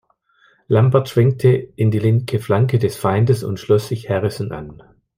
Lambert schwenkte in die linke Flanke des Feindes und schloss sich Harrison an.